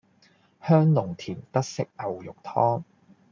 香濃甜德式牛肉湯